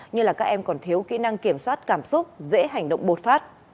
như là các em còn thiếu kỹ năng kiểm soát cảm xúc dễ hành động bột phát